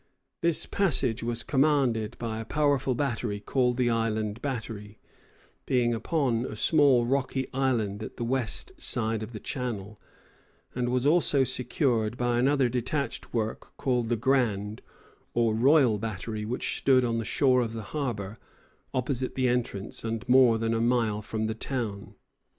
This passage was commanded by a powerful battery called the "Island Battery," being upon a small rocky island at the west side of the channel, and was also secured by another detached work called the "Grand," or "Royal Battery," which stood on the shore of the harbor, opposite the entrance, and more than a mile from the town.